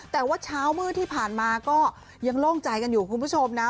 แต่ว่าเช้ามืดที่ผ่านมาก็ยังโล่งใจกันอยู่คุณผู้ชมนะ